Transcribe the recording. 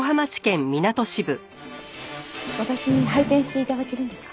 私に配点して頂けるんですか？